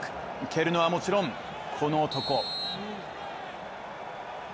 蹴るのはもちろん、この男。